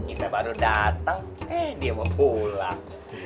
kita baru datang eh dia mau pulang